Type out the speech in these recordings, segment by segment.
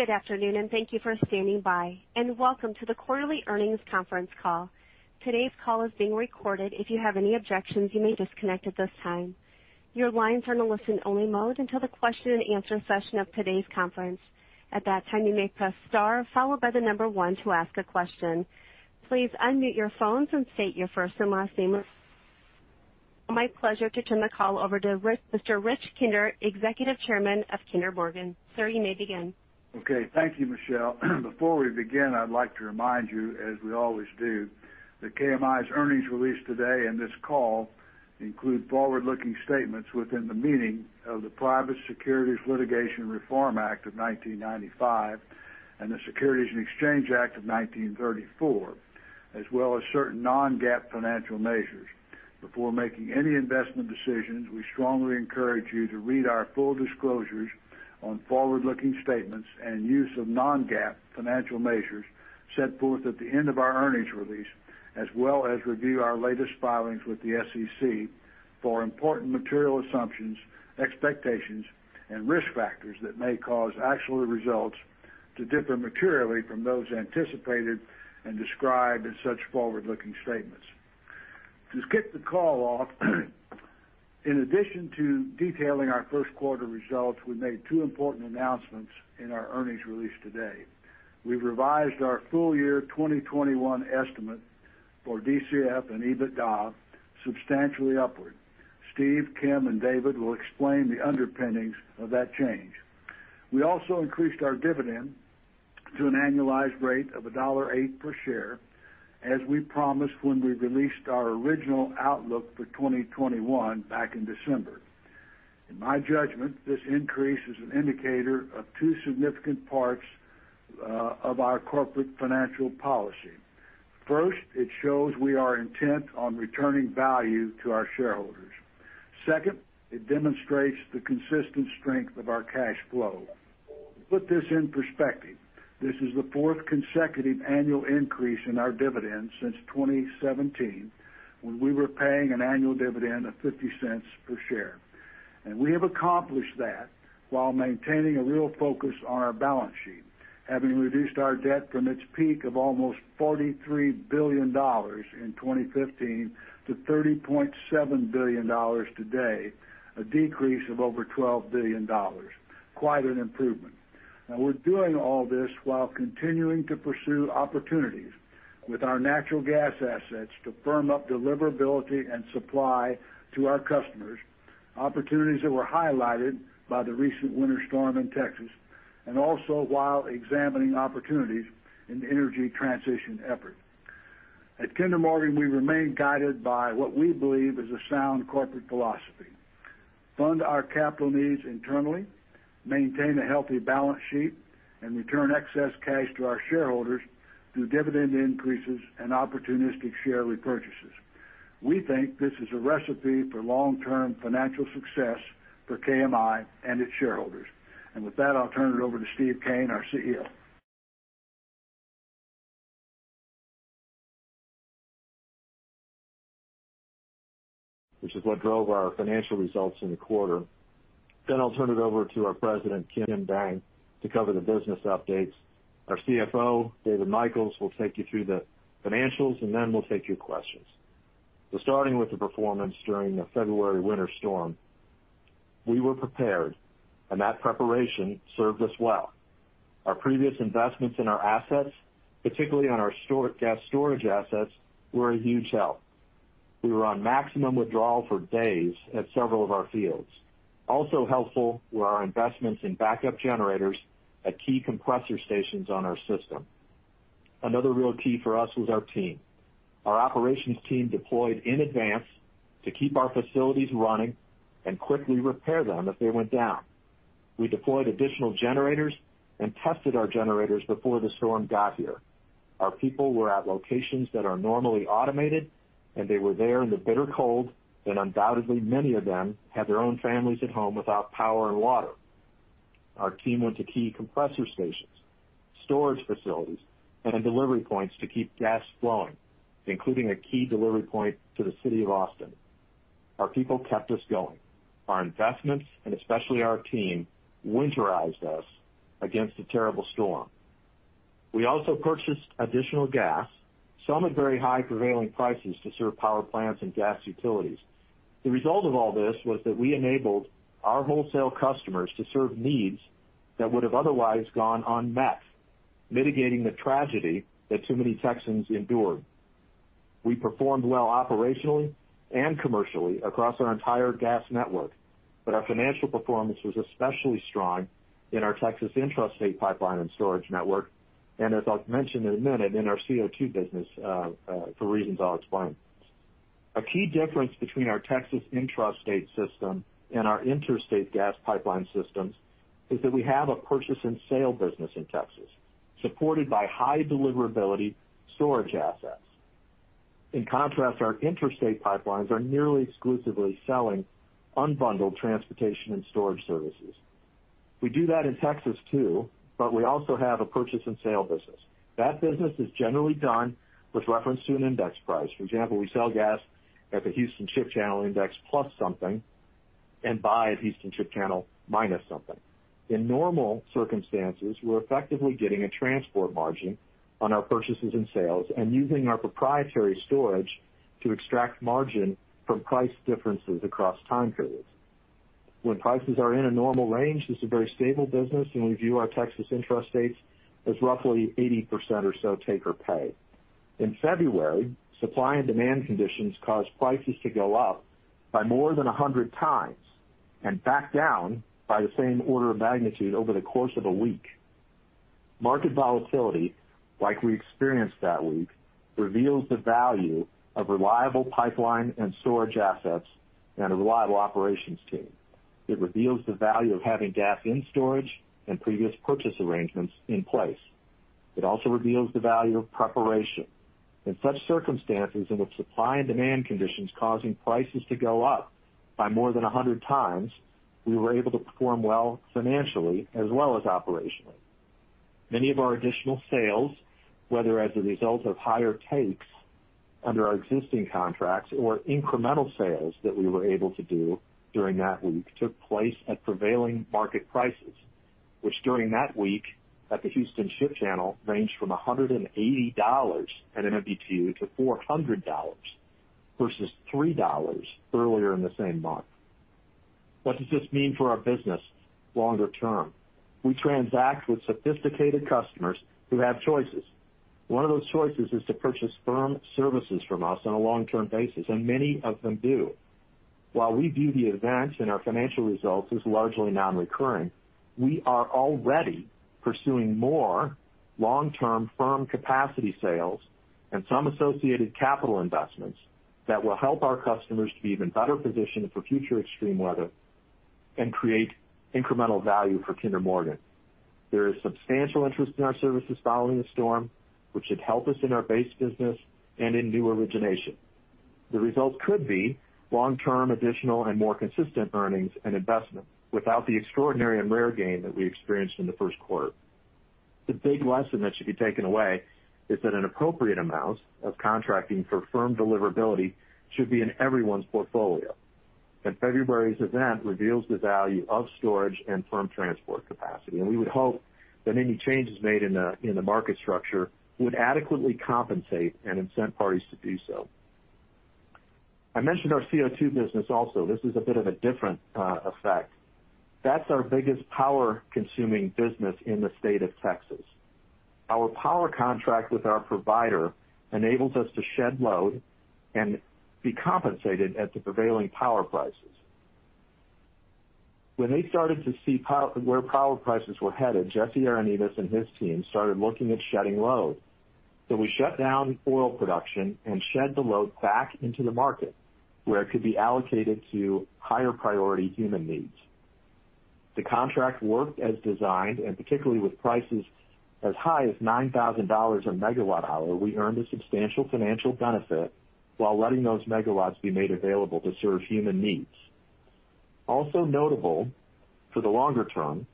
Good afternoon, and thank you for standing by, and welcome to the quarterly earnings conference call. Today's call is being recorded. If you have any objections, you may disconnect at this time. Your lines are in a listen-only mode until the question and answer session of today's conference. At that time, you may press star followed by the number one to ask a question. Please unmute your phones and state your first and last name. My pleasure to turn the call over to Mr. Rich Kinder, Executive Chairman of Kinder Morgan. Sir, you may begin. Okay. Thank you, Michelle. Before we begin, I'd like to remind you, as we always do, that KMI's earnings release today and this call include forward-looking statements within the meaning of the Private Securities Litigation Reform Act of 1995 and the Securities and Exchange Act of 1934, as well as certain non-GAAP financial measures. Before making any investment decisions, we strongly encourage you to read our full disclosures on forward-looking statements and use of non-GAAP financial measures set forth at the end of our earnings release, as well as review our latest filings with the SEC for important material assumptions, expectations, and risk factors that may cause actual results to differ materially from those anticipated and described in such forward-looking statements. To kick the call off, in addition to detailing our first quarter results, we made two important announcements in our earnings release today. We've revised our full year 2021 estimate for DCF and EBITDA substantially upward. Steve, Kim, and David will explain the underpinnings of that change. We also increased our dividend to an annualized rate of $1.08 per share, as we promised when we released our original outlook for 2021 back in December. In my judgment, this increase is an indicator of two significant parts of our corporate financial policy. First, it shows we are intent on returning value to our shareholders. Second, it demonstrates the consistent strength of our cash flow. To put this in perspective, this is the fourth consecutive annual increase in our dividend since 2017, when we were paying an annual dividend of $0.50 per share. We have accomplished that while maintaining a real focus on our balance sheet, having reduced our debt from its peak of almost $43 billion in 2015 to $30.7 billion today, a decrease of over $12 billion. Quite an improvement. Now we're doing all this while continuing to pursue opportunities with our natural gas assets to firm up deliverability and supply to our customers, opportunities that were highlighted by the recent winter storm in Texas, and also while examining opportunities in the energy transition effort. At Kinder Morgan, we remain guided by what we believe is a sound corporate philosophy. Fund our capital needs internally, maintain a healthy balance sheet, and return excess cash to our shareholders through dividend increases and opportunistic share repurchases. We think this is a recipe for long-term financial success for KMI and its shareholders. With that, I'll turn it over to Steve Kean, our CEO. Which is what drove our financial results in the quarter. I'll turn it over to our president, Kim Dang, to cover the business updates. Our CFO, David Michels, will take you through the financials, and then we'll take your questions. Starting with the performance during Winter Storm Uri, we were prepared, and that preparation served us well. Our previous investments in our assets, particularly on our gas storage assets, were a huge help. We were on maximum withdrawal for days at several of our fields. Also helpful were our investments in backup generators at key compressor stations on our system. Another real key for us was our team. Our operations team deployed in advance to keep our facilities running and quickly repair them if they went down. We deployed additional generators and tested our generators before the storm got here. Our people were at locations that are normally automated, and they were there in the bitter cold, and undoubtedly many of them had their own families at home without power and water. Our team went to key compressor stations, storage facilities, and delivery points to keep gas flowing, including a key delivery point to the City of Austin. Our people kept us going. Our investments, and especially our team, winterized us against a terrible storm. We also purchased additional gas, some at very high prevailing prices, to serve power plants and gas utilities. The result of all this was that we enabled our wholesale customers to serve needs that would have otherwise gone unmet, mitigating the tragedy that too many Texans endured. We performed well operationally and commercially across our entire gas network. Our financial performance was especially strong in our Texas intrastate pipeline and storage network, and as I'll mention in a minute, in our CO2 business, for reasons I'll explain. A key difference between our Texas intrastate system and our interstate gas pipeline systems is that we have a purchase and sale business in Texas, supported by high deliverability storage assets. In contrast, our interstate pipelines are nearly exclusively selling unbundled transportation and storage services. We do that in Texas too, but we also have a purchase and sale business. That business is generally done with reference to an index price. For example, we sell gas at the Houston Ship Channel index plus something. Buy at Houston Ship Channel minus something. In normal circumstances, we're effectively getting a transport margin on our purchases and sales and using our proprietary storage to extract margin from price differences across time periods. When prices are in a normal range, this is a very stable business, and we view our Texas intrastates as roughly 80% or so take or pay. In February, supply and demand conditions caused prices to go up by more than 100 times, and back down by the same order of magnitude over the course of a week. Market volatility, like we experienced that week, reveals the value of reliable pipeline and storage assets and a reliable operations team. It reveals the value of having gas in storage and previous purchase arrangements in place. It also reveals the value of preparation. In such circumstances in which supply and demand conditions causing prices to go up by more than 100 times, we were able to perform well financially as well as operationally. Many of our additional sales, whether as a result of higher takes under our existing contracts or incremental sales that we were able to do during that week, took place at prevailing market prices, which during that week at the Houston Ship Channel ranged from $180 an MMBtu to $400, versus $3 earlier in the same month. What does this mean for our business longer term? We transact with sophisticated customers who have choices. One of those choices is to purchase firm services from us on a long-term basis, and many of them do. While we view the events and our financial results as largely non-recurring, we are already pursuing more long-term firm capacity sales and some associated capital investments that will help our customers to be even better positioned for future extreme weather and create incremental value for Kinder Morgan. There is substantial interest in our services following the storm, which should help us in our base business and in new origination. The result could be long-term, additional, and more consistent earnings and investment without the extraordinary and rare gain that we experienced in the first quarter. The big lesson that should be taken away is that an appropriate amount of contracting for firm deliverability should be in everyone's portfolio, February's event reveals the value of storage and firm transport capacity. We would hope that any changes made in the market structure would adequately compensate and incent parties to do so. I mentioned our CO2 business also. This is a bit of a different effect. That's our biggest power-consuming business in the state of Texas. Our power contract with our provider enables us to shed load and be compensated at the prevailing power prices. When they started to see where power prices were headed, Jesse Arenivas and his team started looking at shedding load. We shut down oil production and shed the load back into the market, where it could be allocated to higher priority human needs. The contract worked as designed, particularly with prices as high as $9,000 a megawatt hour, we earned a substantial financial benefit while letting those megawatts be made available to serve human needs. Also notable for the longer term,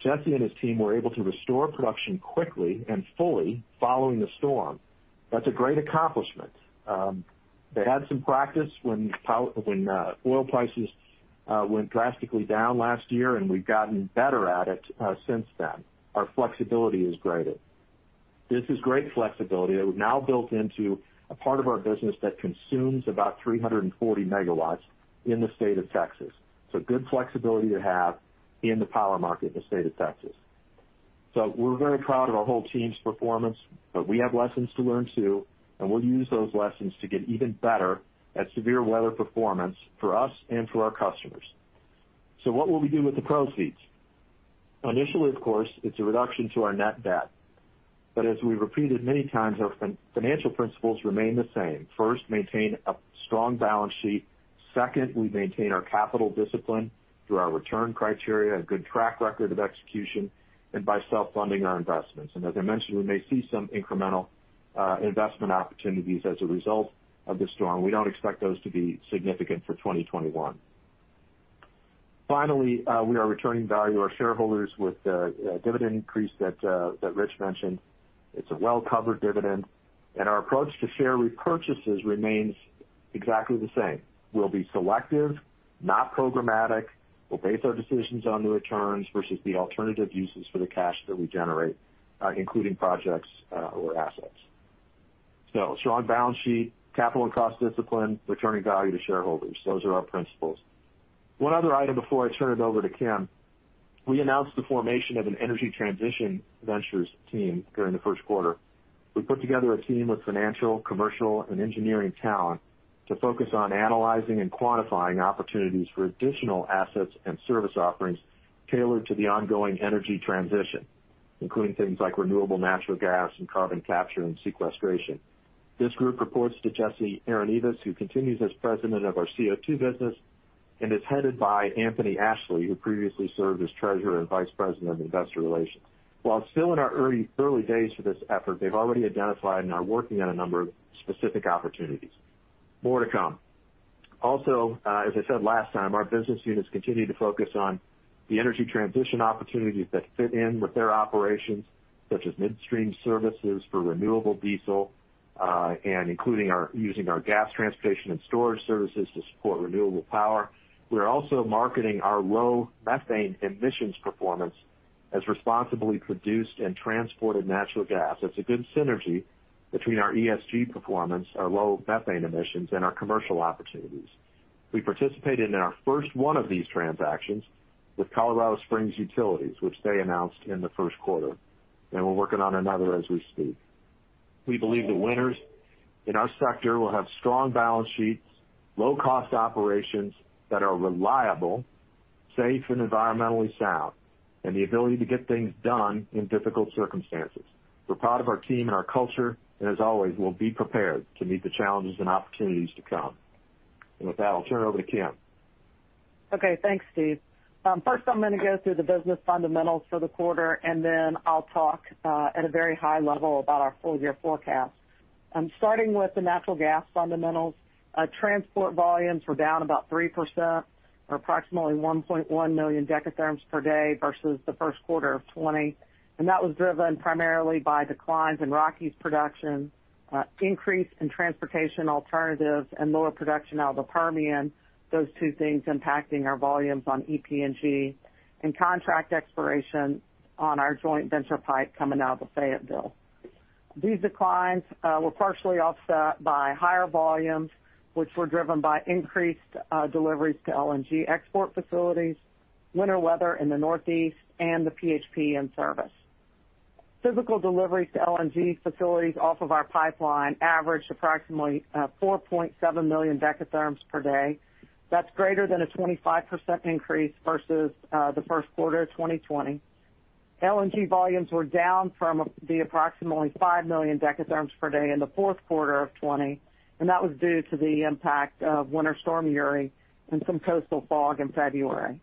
Jesse Arenivas and his team were able to restore production quickly and fully following the storm. That's a great accomplishment. They had some practice when oil prices went drastically down last year, we've gotten better at it since then. Our flexibility is greater. This is great flexibility that we've now built into a part of our business that consumes about 340 megawatts in the state of Texas. Good flexibility to have in the power market in the state of Texas. We're very proud of our whole team's performance, but we have lessons to learn too, and we'll use those lessons to get even better at severe weather performance for us and for our customers. What will we do with the proceeds? Initially, of course, it's a reduction to our net debt. As we've repeated many times, our financial principles remain the same. First, maintain a strong balance sheet. Second, we maintain our capital discipline through our return criteria, a good track record of execution, and by self-funding our investments. As I mentioned, we may see some incremental investment opportunities as a result of the storm. We don't expect those to be significant for 2021. Finally, we are returning value to our shareholders with a dividend increase that Rich mentioned. It's a well-covered dividend, and our approach to share repurchases remains exactly the same. We'll be selective, not programmatic. We'll base our decisions on the returns versus the alternative uses for the cash that we generate, including projects or assets. Strong balance sheet, capital and cost discipline, returning value to shareholders. Those are our principles. One other item before I turn it over to Kim. We announced the formation of an Energy Transition Ventures team during the first quarter. We put together a team with financial, commercial, and engineering talent to focus on analyzing and quantifying opportunities for additional assets and service offerings tailored to the ongoing energy transition, including things like renewable natural gas and carbon capture and sequestration. This group reports to Jesse Arenivas, who continues as president of our CO2 business and is headed by Anthony Ashley, who previously served as treasurer and vice president of investor relations. While still in our early days for this effort, they've already identified and are working on a number of specific opportunities. More to come. As I said last time, our business units continue to focus on the energy transition opportunities that fit in with their operations, such as midstream services for renewable diesel and including using our gas transportation and storage services to support renewable power. We're also marketing our low methane emissions performance as responsibly produced and transported natural gas. It's a good synergy between our ESG performance, our low methane emissions, and our commercial opportunities. We participated in our first one of these transactions with Colorado Springs Utilities, which they announced in the first quarter. We're working on another as we speak. We believe the winners in our sector will have strong balance sheets, low-cost operations that are reliable, safe and environmentally sound, and the ability to get things done in difficult circumstances. We're proud of our team and our culture. As always, we'll be prepared to meet the challenges and opportunities to come. With that, I'll turn it over to Kim. Okay. Thanks, Steve. I'm going to go through the business fundamentals for the quarter, then I'll talk at a very high level about our full year forecast. Starting with the natural gas fundamentals, transport volumes were down about 3%, or approximately 1.1 million dekatherms per day versus the first quarter of 2020. That was driven primarily by declines in Rockies production, increase in transportation alternatives, and lower production out of the Permian, those two things impacting our volumes on EPNG and contract expiration on our joint venture pipe coming out of Fayetteville. These declines were partially offset by higher volumes, which were driven by increased deliveries to LNG export facilities, winter weather in the Northeast, and the PHP in service. Physical deliveries to LNG facilities off of our pipeline averaged approximately 4.7 million dekatherms per day. That's greater than a 25% increase versus the first quarter of 2020. LNG volumes were down from the approximately 5 million dekatherms per day in the fourth quarter of 2020, and that was due to the impact of Winter Storm Uri and some coastal fog in February.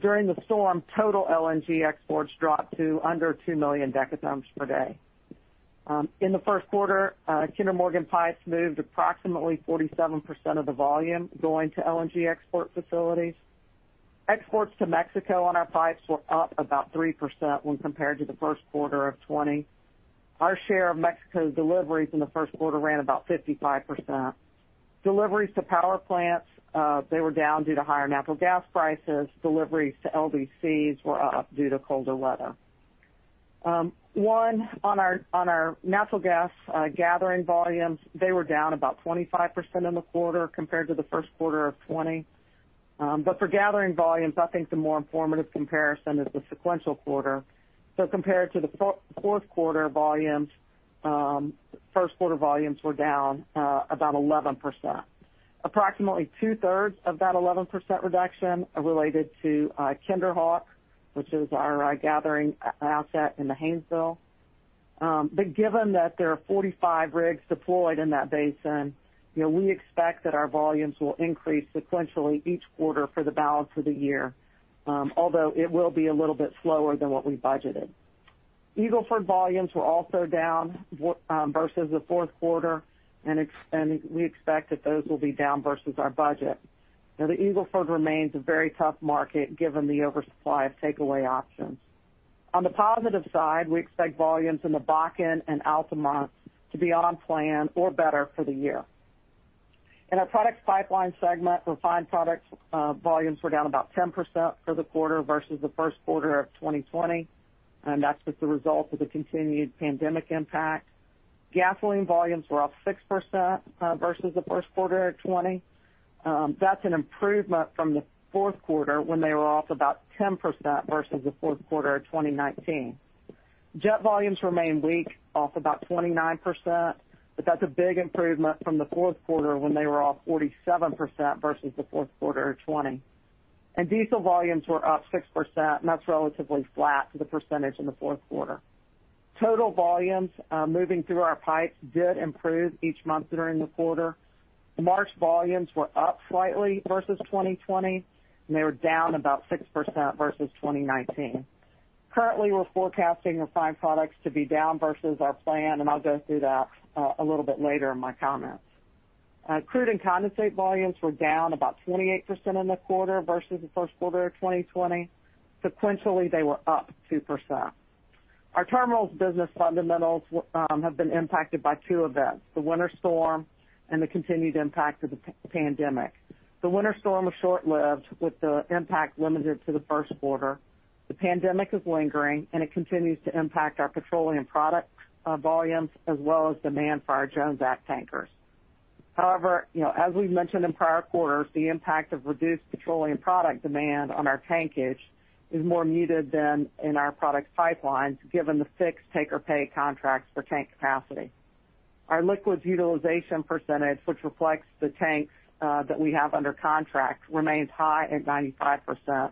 During the storm, total LNG exports dropped to under 2 million dekatherms per day. In the first quarter, Kinder Morgan pipes moved approximately 47% of the volume going to LNG export facilities. Exports to Mexico on our pipes were up about 3% when compared to the first quarter of 2020. Our share of Mexico's deliveries in the first quarter ran about 55%. Deliveries to power plants were down due to higher natural gas prices. Deliveries to LDCs were up due to colder weather. On our natural gas gathering volumes, they were down about 25% in the quarter compared to the first quarter of 2020. For gathering volumes, I think the more informative comparison is the sequential quarter. Compared to the fourth quarter volumes, first quarter volumes were down about 11%. Approximately two-thirds of that 11% reduction are related to KinderHawk, which is our gathering asset in the Haynesville. Given that there are 45 rigs deployed in that basin, we expect that our volumes will increase sequentially each quarter for the balance of the year, although it will be a little bit slower than what we budgeted. Eagle Ford volumes were also down versus the fourth quarter, and we expect that those will be down versus our budget. The Eagle Ford remains a very tough market given the oversupply of takeaway options. On the positive side, we expect volumes in the Bakken and Altamont to be on plan or better for the year. In our Products Pipelines segment, refined products volumes were down about 10% for the quarter versus the first quarter of 2020, that's just the result of the continued pandemic impact. Gasoline volumes were up 6% versus the first quarter of 2020. That's an improvement from the fourth quarter when they were off about 10% versus the fourth quarter of 2019. Jet volumes remain weak, off about 29%, that's a big improvement from the fourth quarter when they were off 47% versus the fourth quarter of 2020. Diesel volumes were up 6%, and that's relatively flat to the percentage in the fourth quarter. Total volumes moving through our pipes did improve each month during the quarter. March volumes were up slightly versus 2020, and they were down about 6% versus 2019. Currently, we're forecasting refined products to be down versus our plan, and I'll go through that a little bit later in my comments. Crude and condensate volumes were down about 28% in the quarter versus the first quarter of 2020. Sequentially, they were up 2%. Our terminals business fundamentals have been impacted by two events, the Winter Storm and the continued impact of the pandemic. The Winter Storm was short-lived with the impact limited to the first quarter. The pandemic is lingering, and it continues to impact our petroleum product volumes as well as demand for our Jones Act tankers. As we've mentioned in prior quarters, the impact of reduced petroleum product demand on our tankage is more muted than in our products pipelines, given the fixed take-or-pay contracts for tank capacity. Our liquids utilization percentage, which reflects the tanks that we have under contract, remains high at 95%.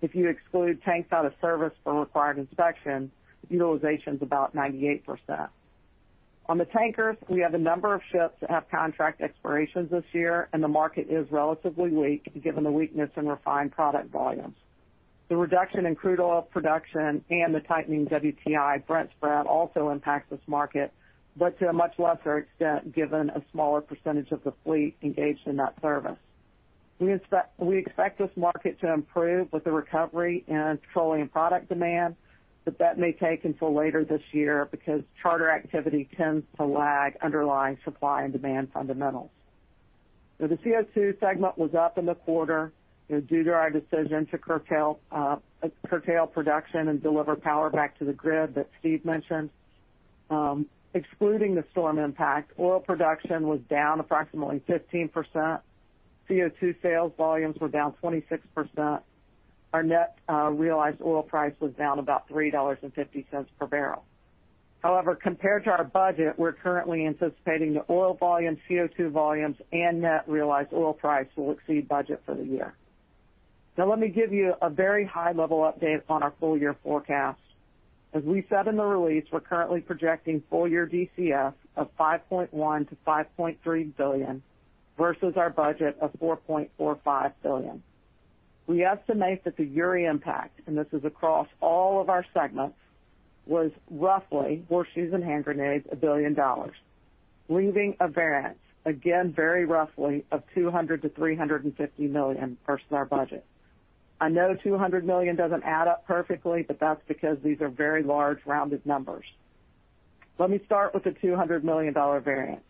If you exclude tanks out of service for required inspection, utilization's about 98%. On the tankers, we have a number of ships that have contract expirations this year. The market is relatively weak given the weakness in refined product volumes. The reduction in crude oil production and the tightening WTI Brent spread also impacts this market, but to a much lesser extent given a smaller percentage of the fleet engaged in that service. That may take until later this year because charter activity tends to lag underlying supply and demand fundamentals. Now the CO2 segment was up in the quarter due to our decision to curtail production and deliver power back to the grid that Steve mentioned. Excluding the storm impact, oil production was down approximately 15%. CO2 sales volumes were down 26%. Our net realized oil price was down about $3.50 per barrel. Compared to our budget, we're currently anticipating the oil volumes, CO2 volumes, and net realized oil price will exceed budget for the year. Let me give you a very high-level update on our full-year forecast. As we said in the release, we're currently projecting full-year DCF of $5.1 billion-$5.3 billion versus our budget of $4.45 billion. We estimate that the Uri impact, and this is across all of our segments, was roughly, horseshoes and hand grenades, $1 billion, leaving a variance, again, very roughly, of $200 million-$350 million versus our budget. I know $200 million doesn't add up perfectly, that's because these are very large rounded numbers. Let me start with the $200 million variance.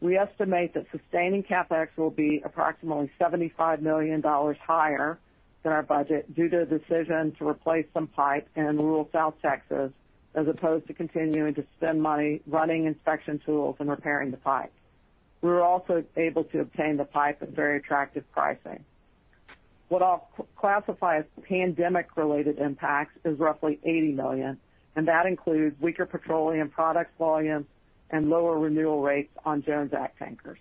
We estimate that sustaining CapEx will be approximately $75 million higher than our budget due to the decision to replace some pipe in rural South Texas, as opposed to continuing to spend money running inspection tools and repairing the pipes. We were also able to obtain the pipe at very attractive pricing. What I'll classify as pandemic-related impacts is roughly $80 million, and that includes weaker petroleum products volumes and lower renewal rates on Jones Act tankers.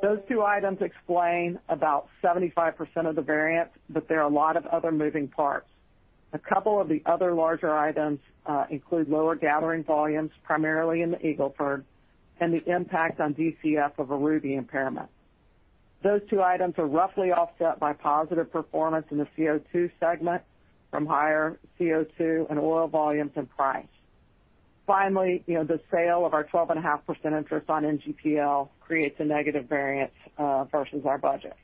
Those two items explain about 75% of the variance, but there are a lot of other moving parts. A couple of the other larger items include lower gathering volumes, primarily in the Eagle Ford, and the impact on DCF of a Ruby impairment. Those two items are roughly offset by positive performance in the CO2 segment from higher CO2 and oil volumes and price. The sale of our 12.5% interest on NGPL creates a negative variance versus our budget.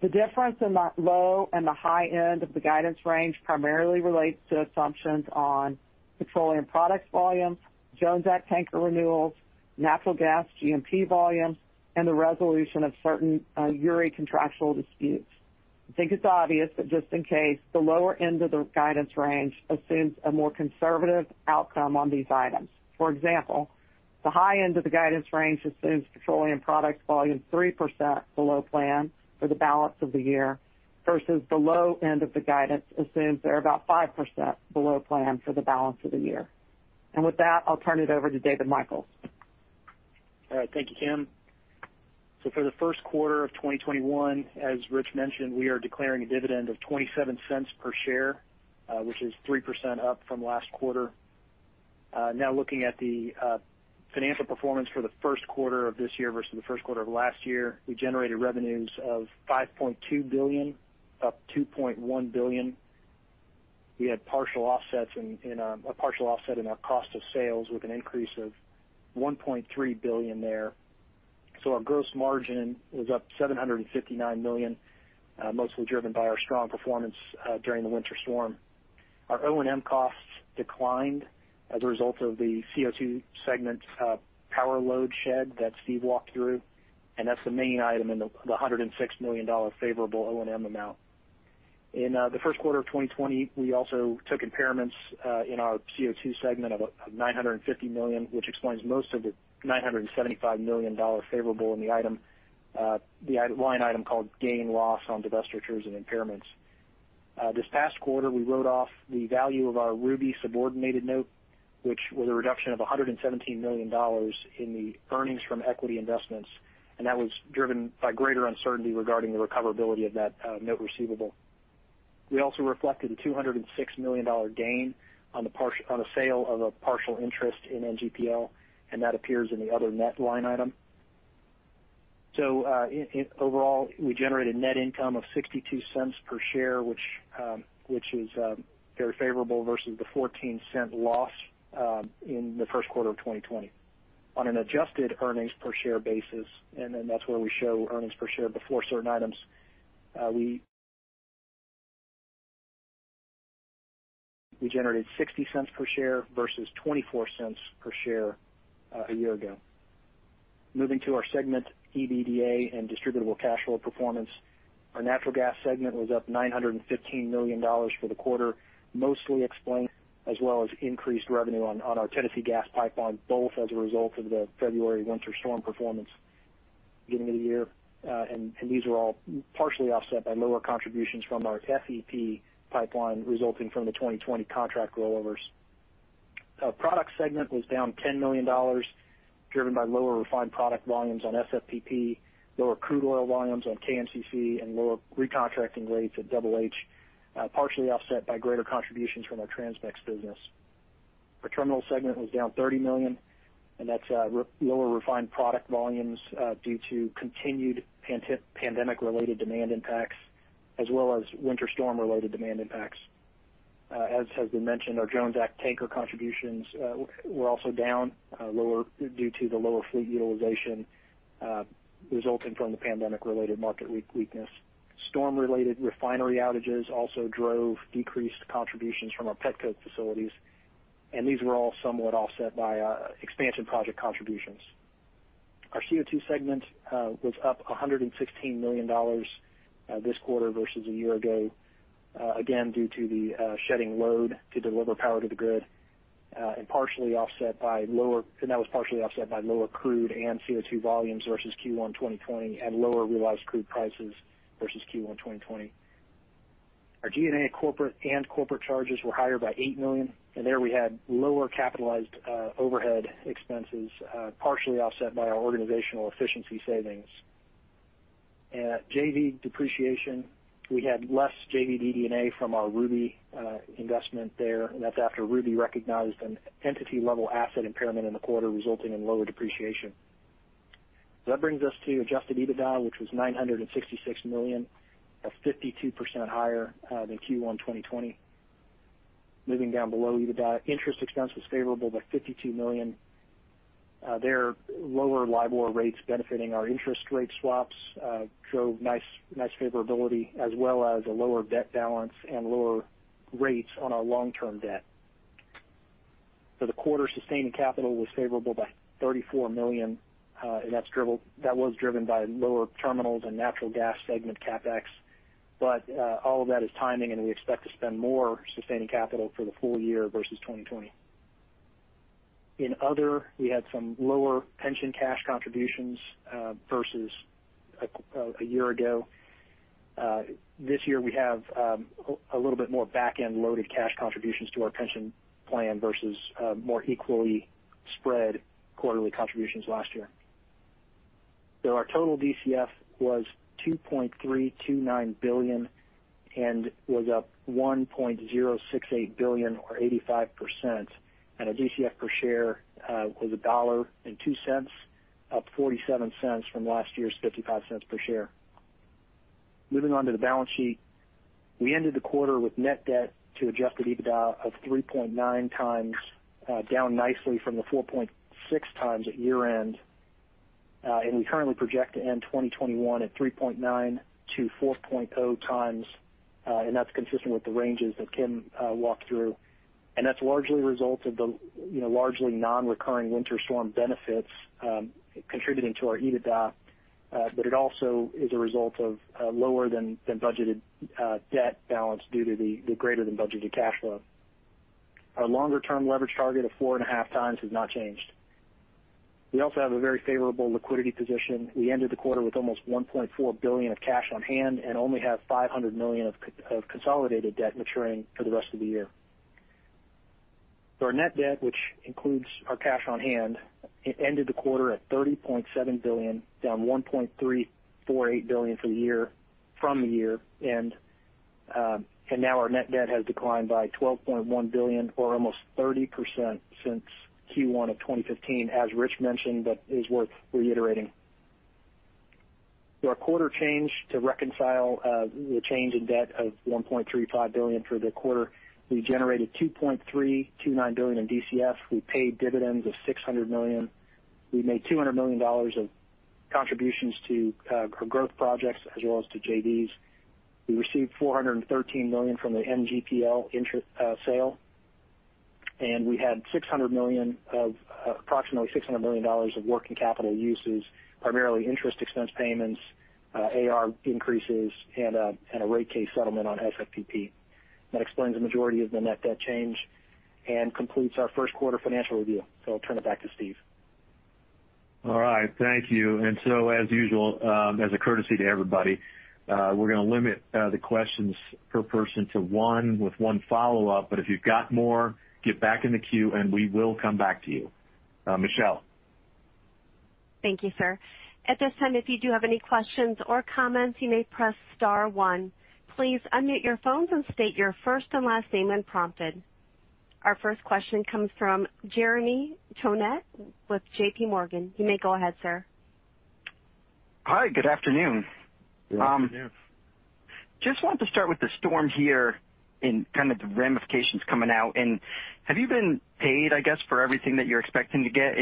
The difference in the low and the high end of the guidance range primarily relates to assumptions on petroleum products volumes, Jones Act tanker renewals, natural gas G&P volumes, and the resolution of certain Uri contractual disputes. I think it's obvious, but just in case, the lower end of the guidance range assumes a more conservative outcome on these items. For example, the high end of the guidance range assumes petroleum products volume 3% below plan for the balance of the year, versus the low end of the guidance assumes they're about 5% below plan for the balance of the year. With that, I'll turn it over to David Michels. All right. Thank you, Kim. For the first quarter of 2021, as Rich mentioned, we are declaring a dividend of $0.27 per share, which is 3% up from last quarter. Looking at the financial performance for the first quarter of this year versus the first quarter of last year, we generated revenues of $5.2 billion, up $2.1 billion. We had a partial offset in our cost of sales with an increase of $1.3 billion there. Our gross margin was up $759 million, mostly driven by our strong performance during Winter Storm Uri. Our O&M costs declined as a result of the CO2 segment's power load shed that Steve walked through, and that's the main item in the $106 million favorable O&M amount. In the first quarter of 2020, we also took impairments in our CO2 segment of $950 million, which explains most of the $975 million favorable in the line item called gain/loss on divestitures and impairments. This past quarter, we wrote off the value of our Ruby subordinated note, which was a reduction of $117 million in the earnings from equity investments. That was driven by greater uncertainty regarding the recoverability of that note receivable. We also reflected a $206 million gain on the sale of a partial interest in NGPL. That appears in the other net line item. Overall, we generated net income of $0.62 per share, which is very favorable versus the $0.14 loss in the first quarter of 2020. On an adjusted earnings per share basis, that's where we show earnings per share before certain items. We generated $0.60 per share versus $0.24 per share a year ago. Moving to our segment, EBITDA and distributable cash flow performance. Our natural gas segment was up $915 million for the quarter, mostly explained as well as increased revenue on our Tennessee Gas Pipeline, both as a result of the February Winter Storm performance beginning of the year. These were all partially offset by lower contributions from our FEP pipeline resulting from the 2020 contract rollovers. Our product segment was down $10 million, driven by lower refined product volumes on SFPP, lower crude oil volumes on KMCC, and lower recontracting rates at Double H, partially offset by greater contributions from our Transmix business. Our terminal segment was down $30 million, that's lower refined product volumes due to continued pandemic-related demand impacts as well as winter storm-related demand impacts. As has been mentioned, our Jones Act tanker contributions were also down lower due to the lower fleet utilization resulting from the pandemic-related market weakness. Storm-related refinery outages also drove decreased contributions from our petcoke facilities, these were all somewhat offset by expansion project contributions. Our CO2 segment was up $116 million this quarter versus a year ago, again, due to the shedding load to deliver power to the grid that was partially offset by lower crude and CO2 volumes versus Q1 2020 and lower realized crude prices versus Q1 2020. Our G&A and corporate charges were higher by $8 million, there we had lower capitalized overhead expenses, partially offset by our organizational efficiency savings. At JV depreciation, we had less JV DD&A from our Ruby investment there. That's after Ruby recognized an entity-level asset impairment in the quarter, resulting in lower depreciation. That brings us to adjusted EBITDA, which was $966 million, or 52% higher than Q1 2020. Moving down below EBITDA, interest expense was favorable by $52 million. There, lower LIBOR rates benefiting our interest rate swaps drove nice favorability, as well as a lower debt balance and lower rates on our long-term debt. For the quarter, sustaining capital was favorable by $34 million. That was driven by lower terminals and natural gas segment CapEx. All of that is timing. We expect to spend more sustaining capital for the full year versus 2020. In other, we had some lower pension cash contributions versus a year ago. This year we have a little bit more back-end loaded cash contributions to our pension plan versus more equally spread quarterly contributions last year. Our total DCF was $2.329 billion and was up $1.068 billion, or 85%, and our DCF per share was $1.02, up $0.47 from last year's $0.55 per share. Moving on to the balance sheet. We ended the quarter with net debt to adjusted EBITDA of 3.9 times, down nicely from the 4.6 times at year-end. We currently project to end 2021 at 3.9 to 4.0 times, and that's consistent with the ranges that Kim walked through, and that's largely a result of the largely non-recurring winter storm benefits contributing to our EBITDA. It also is a result of lower than budgeted debt balance due to the greater than budgeted cash flow. Our longer-term leverage target of 4.5 times has not changed. We also have a very favorable liquidity position. We ended the quarter with almost $1.4 billion of cash on hand and only have $500 million of consolidated debt maturing for the rest of the year. Our net debt, which includes our cash on hand, ended the quarter at $30.7 billion, down $1.348 billion from the year, and now our net debt has declined by $12.1 billion or almost 30% since Q1 of 2015, as Rich mentioned, but is worth reiterating. Our quarter change to reconcile the change in debt of $1.35 billion for the quarter, we generated $2.329 billion in DCF. We paid dividends of $600 million. We made $200 million of contributions to our growth projects as well as to JVs. We received $413 million from the NGPL sale. We had approximately $600 million of working capital uses, primarily interest expense payments, AR increases, and a rate case settlement on SFPP. That explains the majority of the net debt change and completes our first quarter financial review. I'll turn it back to Steve. All right, thank you. As usual, as a courtesy to everybody, we're going to limit the questions per person to one with one follow-up. If you've got more, get back in the queue, and we will come back to you. Michelle. Thank you, sir. At this time, if you do have any questions or comments, you may press star one. Please unmute your phones and state your first and last name when prompted. Our first question comes from Jeremy Tonet with JPMorgan. You may go ahead, sir. Hi, good afternoon. Good afternoon. Just wanted to start with the storm here and kind of the ramifications coming out. Have you been paid, I guess, for everything that you're expecting to get?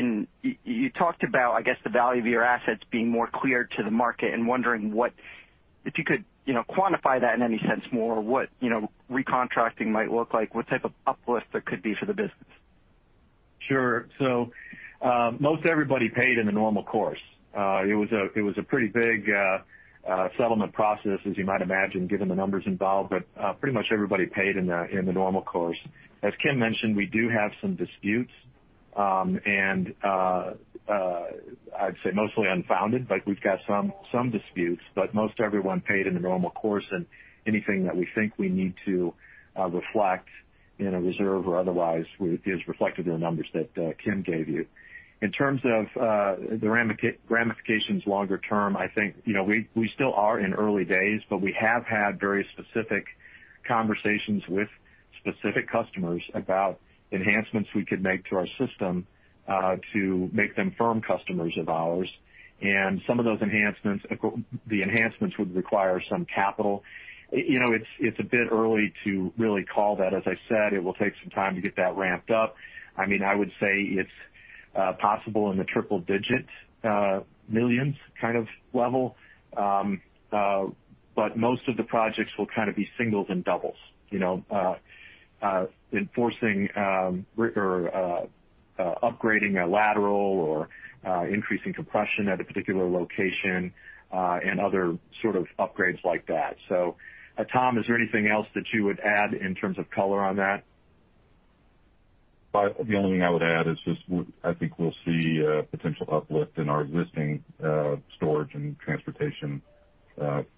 You talked about, I guess, the value of your assets being more clear to the market and wondering if you could quantify that in any sense more or what recontracting might look like, what type of uplift there could be for the business? Sure. Most everybody paid in the normal course. It was a pretty big settlement process, as you might imagine, given the numbers involved. Pretty much everybody paid in the normal course. As Kim mentioned, we do have some disputes, and I'd say mostly unfounded, but we've got some disputes, but most everyone paid in the normal course, and anything that we think we need to reflect in a reserve or otherwise is reflected in the numbers that Kim gave you. In terms of the ramifications longer term, I think we still are in early days, but we have had very specific conversations with specific customers about enhancements we could make to our system to make them firm customers of ours. Some of those enhancements would require some capital. It's a bit early to really call that. As I said, it will take some time to get that ramped up. I would say it's possible in the triple-digit millions kind of level. Most of the projects will kind of be singles and doubles. You know enforcing or upgrading a lateral or increasing compression at a particular location, and other sort of upgrades like that. Tom, is there anything else that you would add in terms of color on that? The only thing I would add is just I think we'll see a potential uplift in our existing storage and transportation capacity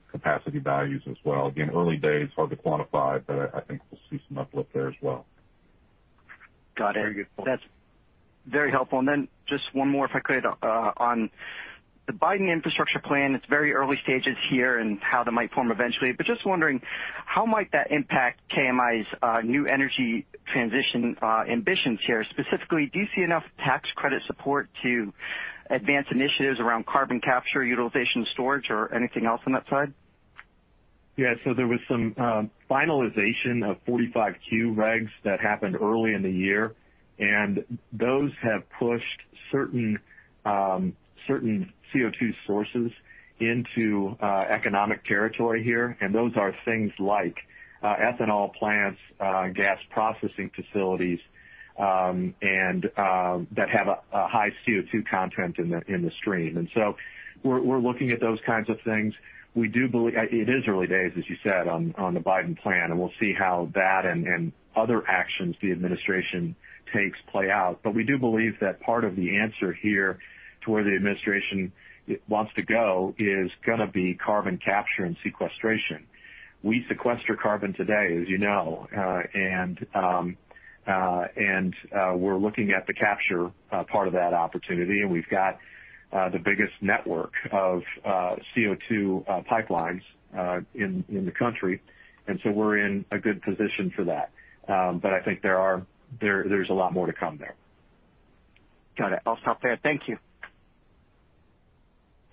values as well. Again, early days, hard to quantify, but I think we'll see some uplift there as well. Got it. Very good point. That's very helpful. Just one more, if I could, on the Biden infrastructure plan. It's very early stages here in how that might form eventually, but just wondering how might that impact KMI's new energy transition ambitions here? Specifically, do you see enough tax credit support to advance initiatives around carbon capture utilization storage or anything else on that side? Yeah. There was some finalization of 45Q regs that happened early in the year. Those have pushed certain CO2 sources into economic territory here. Those are things like ethanol plants, gas processing facilities that have a high CO2 content in the stream. We're looking at those kinds of things. It is early days, as you said, on the Biden plan. We'll see how that and other actions the administration takes play out. We do believe that part of the answer here to where the administration wants to go is going to be carbon capture and sequestration. We sequester carbon today, as you know. We're looking at the capture part of that opportunity. We've got the biggest network of CO2 pipelines in the country. We're in a good position for that. But, I think there's a lot more to come there. Got it. I'll stop there. Thank you.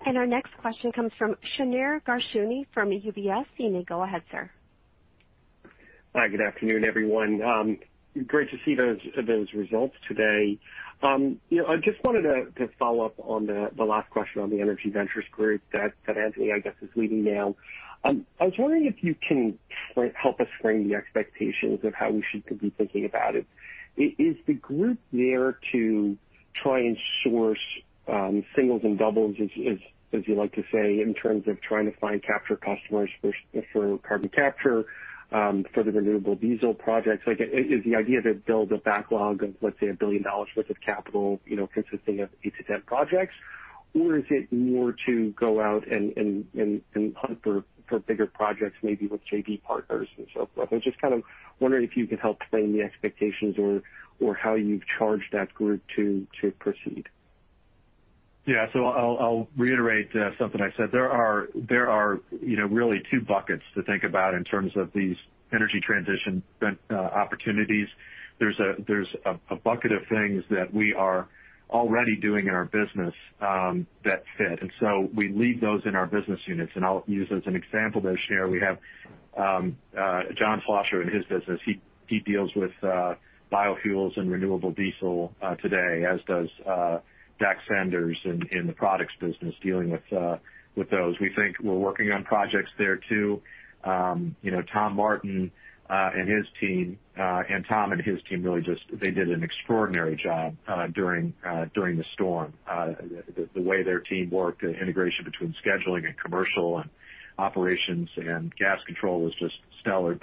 Our next question comes from Shneur Gershuni from UBS. You may go ahead, sir. Hi, good afternoon, everyone. Great to see those results today. I just wanted to follow up on the last question on the Energy Transition Ventures that Anthony, I guess, is leading now. I was wondering if you can help us frame the expectations of how we should be thinking about it. Is the group there to try and source singles and doubles as you like to say, in terms of trying to find capture customers for carbon capture for the renewable diesel projects? Is the idea to build a backlog of, let's say, $1 billion worth of capital consisting of eight to 10 projects? Or is it more to go out and hunt for bigger projects, maybe with JV partners and so forth? I was just kind of wondering if you could help frame the expectations or how you've charged that group to proceed. Yeah. I'll reiterate something I said. There are really two buckets to think about in terms of these energy transition opportunities. There's a bucket of things that we are already doing in our business that fit. We lead those in our business units. I'll use as an example there, Shneur, we have John Schlosser in his business. He deals with biofuels and renewable diesel today, as does Dax Sanders in the products business dealing with those. We think we're working on projects there too. Tom Martin and his team, and Tom and his team really just did an extraordinary job during the storm. The way their team worked, the integration between scheduling and commercial and operations and gas control was just stellar.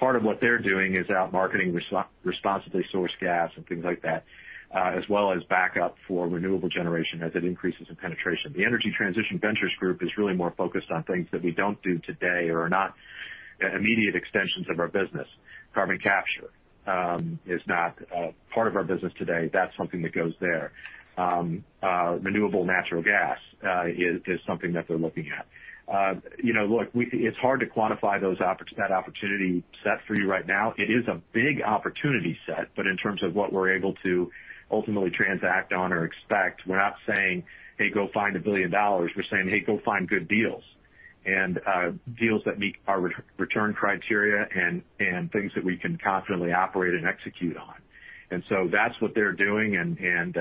Part of what they're doing is out marketing responsibly sourced gas and things like that, as well as backup for renewable generation as it increases in penetration. The Energy Transition Ventures Group is really more focused on things that we don't do today or are not immediate extensions of our business. Carbon capture is not part of our business today. That's something that goes there. Renewable natural gas is something that they're looking at. Look, it's hard to quantify that opportunity set for you right now. It is a big opportunity set, but in terms of what we're able to ultimately transact on or expect, we're not saying, "Hey, go find $1 billion." We're saying, "Hey, go find good deals," and deals that meet our return criteria and things that we can confidently operate and execute on. That's what they're doing, and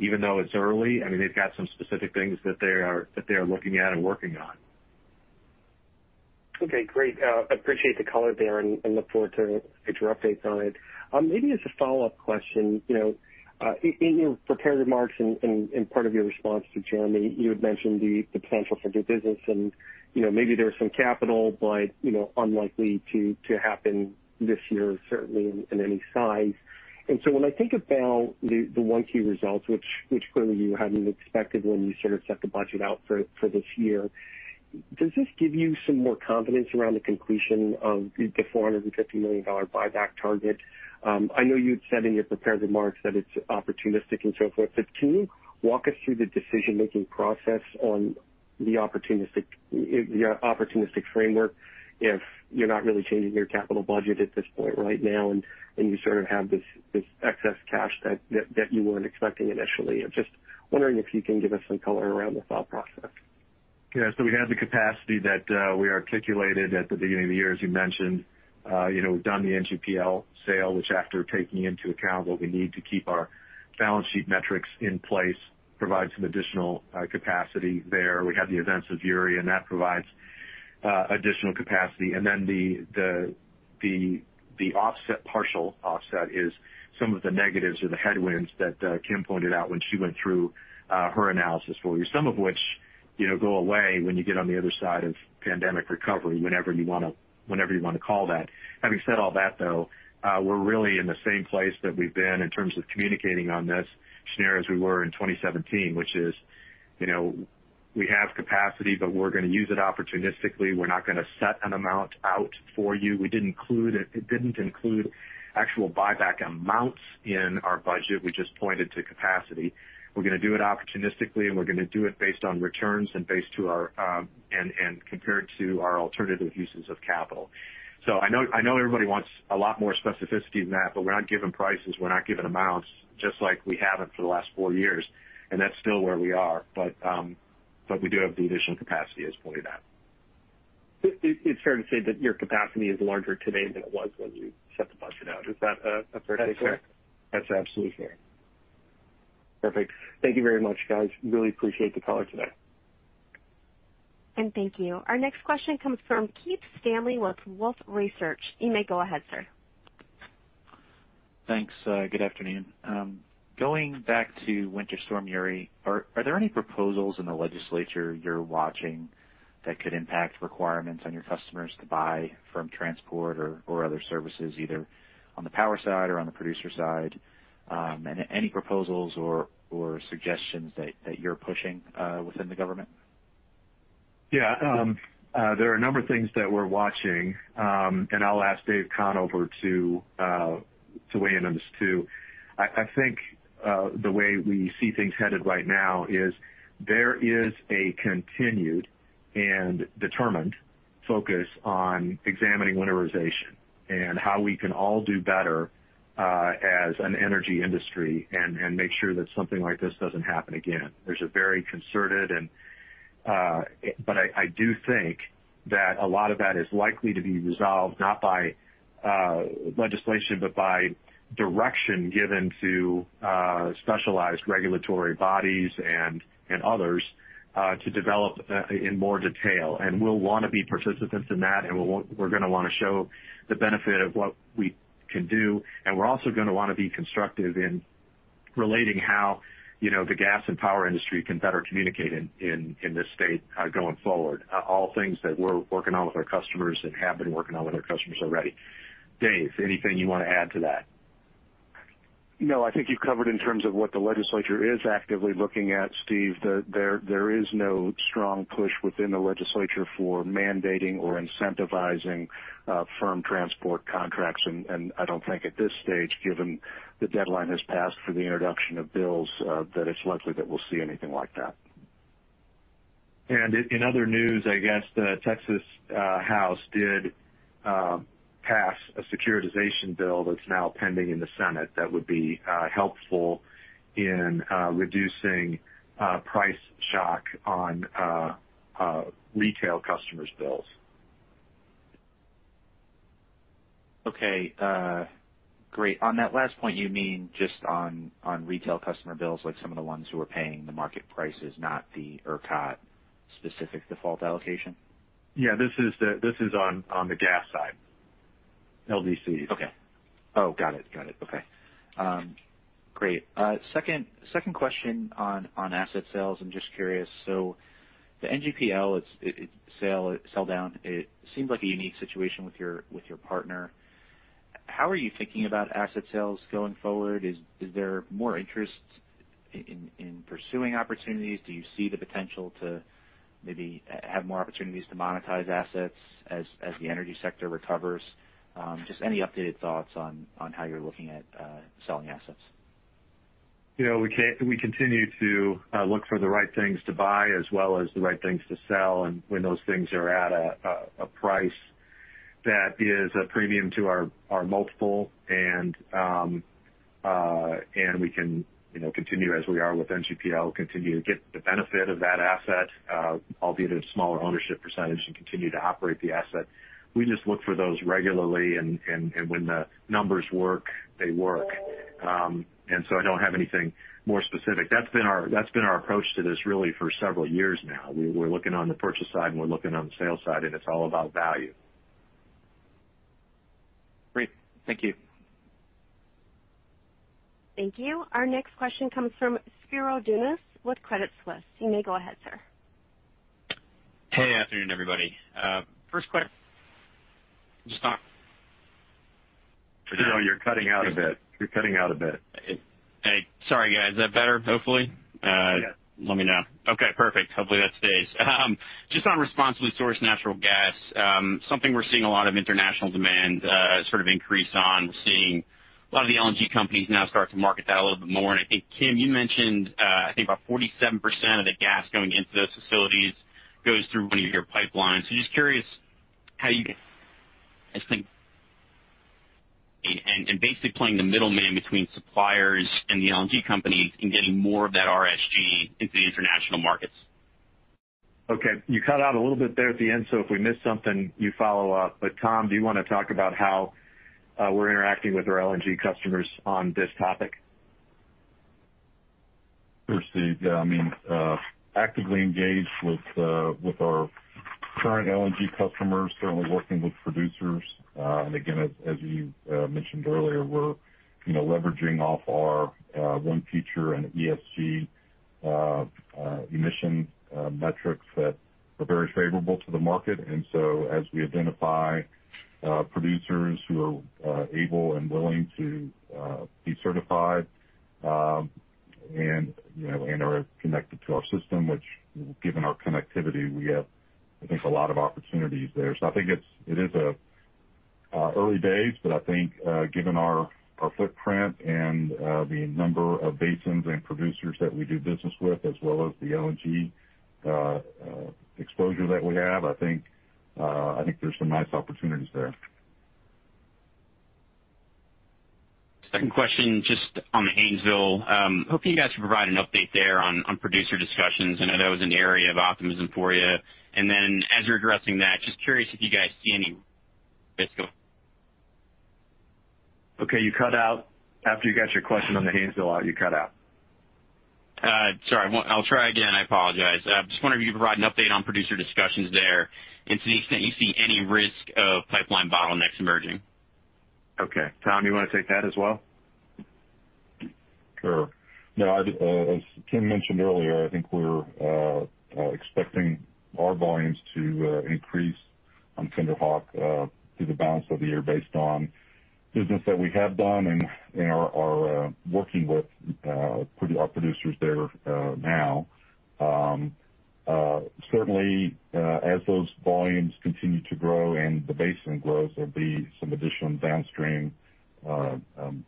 even though it's early, I mean, they've got some specific things that they are looking at and working on. Okay, great. I appreciate the color there and look forward to future updates on it. Maybe as a follow-up question, in your prepared remarks and part of your response to Jeremy, you had mentioned the potential for good business and maybe there was some capital but unlikely to happen this year, certainly in any size. When I think about the 1Q results, which clearly you hadn't expected when you sort of set the budget out for this year, does this give you some more confidence around the completion of the $450 million buyback target? I know you had said in your prepared remarks that it's opportunistic and so forth, can you walk us through the decision-making process on the opportunistic framework if you're not really changing your capital budget at this point right now and you sort of have this excess cash that you weren't expecting initially? I'm just wondering if you can give us some color around the thought process? Yeah. We have the capacity that we articulated at the beginning of the year, as you mentioned. We've done the NGPL sale, which after taking into account what we need to keep our balance sheet metrics in place, provide some additional capacity there. We have the events of Uri. The partial offset is some of the negatives or the headwinds that Kim pointed out when she went through her analysis for you, some of which go away when you get on the other side of pandemic recovery, whenever you want to call that. Having said all that, though, we're really in the same place that we've been in terms of communicating on this scenario as we were in 2017, which is we have capacity. We're going to use it opportunistically. We're not going to set an amount out for you. We didn't include actual buyback amounts in our budget. We just pointed to capacity. We're going to do it opportunistically, and we're going to do it based on returns and compared to our alternative uses of capital. I know everybody wants a lot more specificity than that, but we're not giving prices, we're not giving amounts, just like we haven't for the last four years, and that's still where we are. We do have the additional capacity, as pointed out. It's fair to say that your capacity is larger today than it was when you set the budget out. Is that a fair take? That's fair. That's absolutely fair. Perfect. Thank you very much, guys. Really appreciate the call today. Thank you. Our next question comes from Keith Stanley with Wolfe Research. You may go ahead, sir. Thanks. Good afternoon. Going back to Winter Storm Uri, are there any proposals in the legislature you're watching that could impact requirements on your customers to buy from transport or other services, either on the power side or on the producer side? Any proposals or suggestions that you're pushing within the government? Yeah. There are a number of things that we're watching. I'll ask Dave Conover over to weigh in on this, too. I think the way we see things headed right now is there is a continued and determined focus on examining winterization and how we can all do better, as an energy industry and make sure that something like this doesn't happen again. I do think that a lot of that is likely to be resolved not by legislation, but by direction given to specialized regulatory bodies and others, to develop in more detail. We'll want to be participants in that, and we're going to want to show the benefit of what we can do. We're also going to want to be constructive in relating how the gas and power industry can better communicate in this state, going forward. All things that we're working on with our customers and have been working on with our customers already. Dave, anything you want to add to that? No, I think you've covered in terms of what the legislature is actively looking at, Steve. There is no strong push within the legislature for mandating or incentivizing firm transport contracts. I don't think at this stage, given the deadline has passed for the introduction of bills, that it's likely that we'll see anything like that. In other news, I guess the Texas House did pass a securitization bill that's now pending in the Senate that would be helpful in reducing price shock on retail customers' bills. Okay. Great. On that last point, you mean just on retail customer bills, like some of the ones who are paying the market prices, not the ERCOT-specific default allocation? Yeah, this is on the gas side. LDCs. Okay. Oh, got it. Great. Second question on asset sales. I'm just curious. The NGPL sell down, it seemed like a unique situation with your partner. How are you thinking about asset sales going forward? Is there more interest in pursuing opportunities? Do you see the potential to maybe have more opportunities to monetize assets as the energy sector recovers? Just any updated thoughts on how you're looking at selling assets. We continue to look for the right things to buy as well as the right things to sell, and when those things are at a price that is a premium to our multiple and we can continue as we are with NGPL, continue to get the benefit of that asset, albeit at a smaller ownership percentage, and continue to operate the asset. We just look for those regularly, and when the numbers work, they work. I don't have anything more specific. That's been our approach to this really for several years now. We're looking on the purchase side, and we're looking on the sale side, and it's all about value. Great. Thank you. Thank you. Our next question comes from Spiro Dounis with Credit Suisse. You may go ahead, sir. Hey, afternoon, everybody. Spiro, you're cutting out a bit. Hey. Sorry, guys. That better, hopefully? Yeah. Let me know. Okay, perfect. Hopefully, that stays. Just on responsibly sourced natural gas, something we're seeing a lot of international demand sort of increase on. We're seeing a lot of the LNG companies now start to market that a little bit more. I think, Kim, you mentioned, I think about 47% of the gas going into those facilities goes through one of your pipelines. Just curious how you guys think basically playing the middleman between suppliers and the LNG companies in getting more of that RSG into the international markets? Okay. You cut out a little bit there at the end. If we missed something, you follow up. Tom, do you want to talk about how we're interacting with our LNG customers on this topic? Sure, Steve. Yeah, actively engaged with our current LNG customers, certainly working with producers. Again, as you mentioned earlier, we're leveraging off our ONE Future in ESG emission metrics that are very favorable to the market. As we identify producers who are able and willing to be certified and are connected to our system, which given our connectivity, we have, I think, a lot of opportunities there. I think it is early days, but I think given our footprint and the number of basins and producers that we do business with as well as the LNG exposure that we have, I think there's some nice opportunities there. Second question, just on the Haynesville. Hoping you guys could provide an update there on producer discussions. I know that was an area of optimism for you. As you're addressing that, just curious if you guys see any risk of. Okay, you cut out after you got your question on the Haynesville out, you cut out. Sorry. I'll try again. I apologize. I just wonder if you could provide an update on producer discussions there and to the extent you see any risk of pipeline bottlenecks emerging? Okay. Tom, you want to take that as well? Sure. Yeah, as Kim mentioned earlier, I think we're expecting our volumes to increase on KinderHawk through the balance of the year based on business that we have done and are working with our producers there now. Certainly, as those volumes continue to grow and the basin grows, there'll be some additional downstream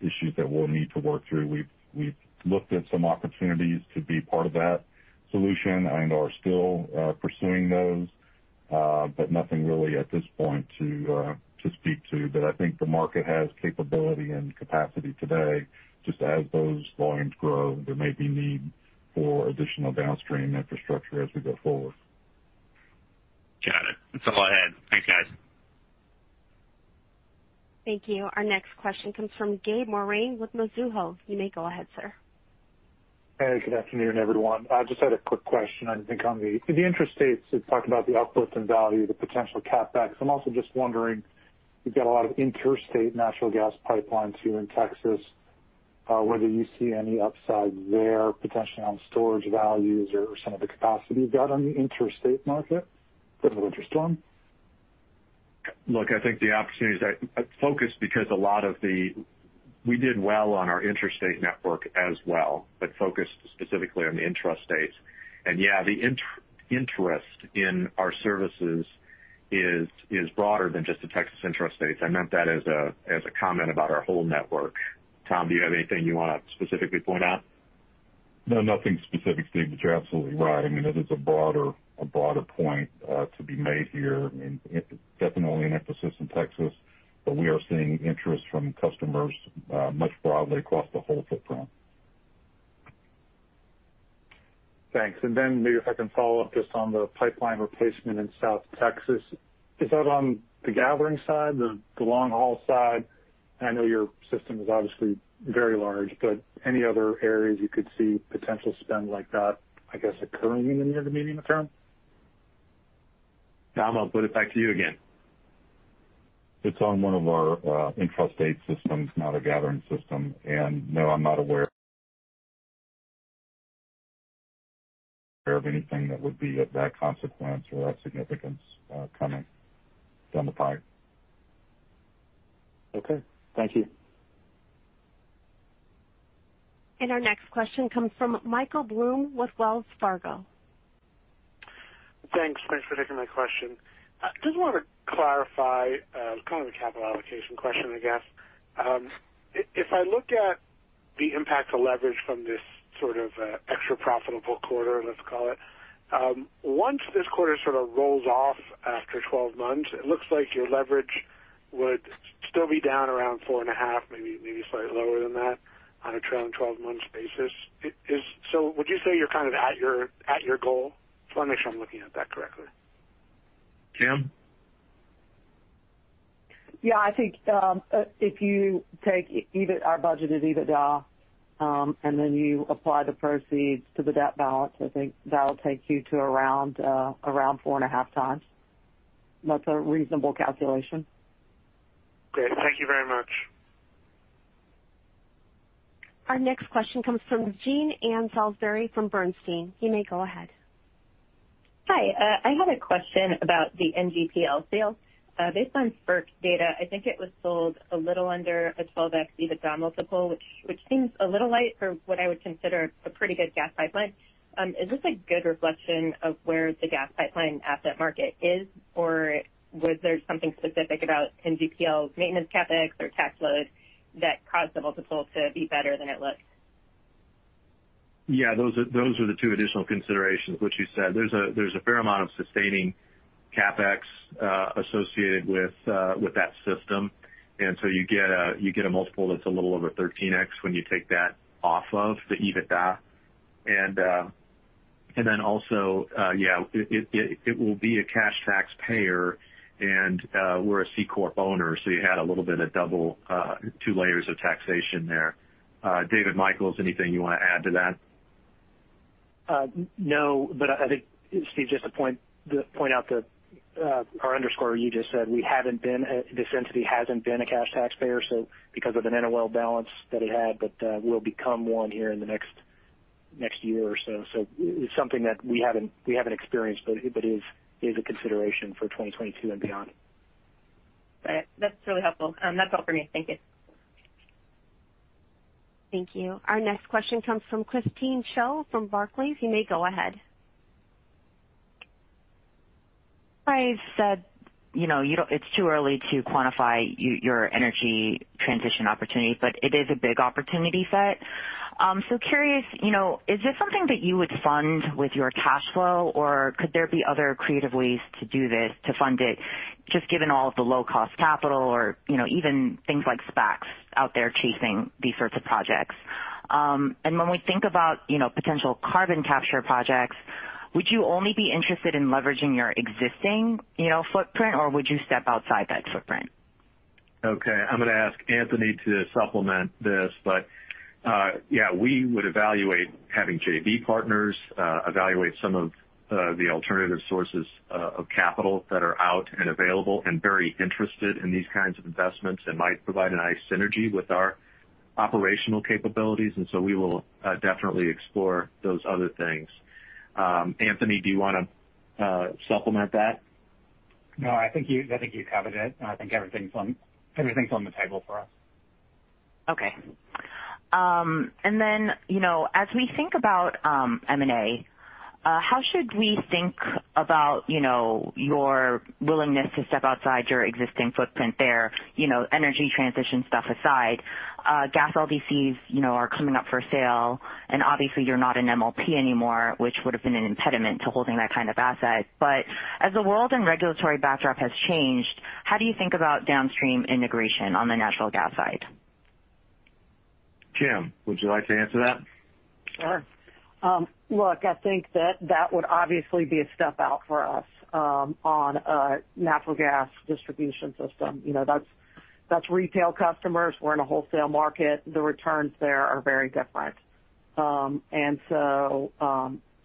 issues that we'll need to work through. We've looked at some opportunities to be part of that solution and are still pursuing those. Nothing really at this point to speak to. I think the market has capability and capacity today. Just as those volumes grow, there may be need for additional downstream infrastructure as we go forward. Got it. That's all I had. Thanks, guys. Thank you. Our next question comes from Gabe Moreen with Mizuho. You may go ahead, sir. Hey, good afternoon, everyone. I just had a quick question. I think on the intrastates, you talked about the outputs and value, the potential CapEx. I'm also just wondering, you've got a lot of interstate natural gas pipelines here in Texas, whether you see any upside there potentially on storage values or some of the capacity you've got on the interstate market for the winter storm. Look, I focus because we did well on our interstate network as well, but focused specifically on the intrastates. Yeah, the interest in our services is broader than just the Texas intrastates. I meant that as a comment about our whole network. Tom, do you have anything you want to specifically point out? Nothing specific, Steve, but you're absolutely right. I mean, it is a broader point to be made here. I mean, it's definitely an emphasis in Texas, but we are seeing interest from customers much broadly across the whole footprint. Thanks. Maybe if I can follow up just on the pipeline replacement in South Texas. Is that on the gathering side, the long-haul side? I know your system is obviously very large, any other areas you could see potential spend like that, I guess, occurring in the near to medium term? Tom, I'll put it back to you again. It's on one of our intrastate systems, not a gathering system. No, I'm not aware of anything that would be of that consequence or that significance coming down the pipe. Okay. Thank you. Our next question comes from Michael Blum with Wells Fargo. Thanks for taking my question. I just wanted to clarify, kind of a capital allocation question, I guess. If I look at the impact of leverage from this sort of extra profitable quarter, let's call it. Once this quarter sort of rolls off after 12 months, it looks like your leverage would still be down around 4.5, maybe slightly lower than that on a trailing 12-month basis. Would you say you're kind of at your goal? Just want to make sure I'm looking at that correctly. Kim? I think if you take our budgeted EBITDA, and then you apply the proceeds to the debt balance, I think that'll take you to around four and a half times. That's a reasonable calculation. Great. Thank you very much. Our next question comes from Jean Ann Salisbury from Bernstein. You may go ahead. Hi. I had a question about the NGPL sale. Based on Spark data, I think it was sold a little under a 12x EBITDA multiple, which seems a little light for what I would consider a pretty good gas pipeline. Is this a good reflection of where the gas pipeline asset market is? Or was there something specific about NGPL's maintenance CapEx or tax load that caused the multiple to be better than it looks? Yeah, those are the two additional considerations, what you said. There's a fair amount of sustaining CapEx associated with that system. So you get a multiple that's a little over 13x when you take that off of the EBITDA. Also, it will be a cash taxpayer and we're a C-corp owner, you had a little bit of double two layers of taxation there. David Michels, anything you want to add to that? I think, Steve, just to point out that, or underscore what you just said, this entity hasn't been a cash taxpayer because of an NOL balance that it had, but will become one here in the next year or so. It's something that we haven't experienced but is a consideration for 2022 and beyond. Right. That's really helpful. That's all for me. Thank you. Thank you. Our next question comes from Christine Cho from Barclays. You may go ahead. I said it's too early to quantify your energy transition opportunity, but it is a big opportunity set. Curious, is this something that you would fund with your cash flow, or could there be other creative ways to do this, to fund it, just given all of the low-cost capital or even things like SPACs out there chasing these sorts of projects? When we think about potential carbon capture projects, would you only be interested in leveraging your existing footprint, or would you step outside that footprint? Okay. I'm going to ask Anthony to supplement this, but yeah, we would evaluate having JV partners evaluate some of the alternative sources of capital that are out and available and very interested in these kinds of investments and might provide a nice synergy with our operational capabilities. We will definitely explore those other things. Anthony, do you want to supplement that? No, I think you covered it. I think everything's on the table for us. Okay. Then, as we think about M&A, how should we think about your willingness to step outside your existing footprint there? Energy transition stuff aside. Gas LDCs are coming up for sale, and obviously you're not an MLP anymore, which would have been an impediment to holding that kind of asset. As the world and regulatory backdrop has changed, how do you think about downstream integration on the natural gas side? Kim, would you like to answer that? Sure. Look, I think that that would obviously be a step out for us on a natural gas distribution system. That's retail customers. We're in a wholesale market. The returns there are very different.